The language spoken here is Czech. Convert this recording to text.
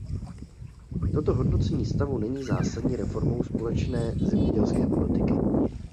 Toto hodnocení stavu není zásadní reformou společné zemědělské politiky.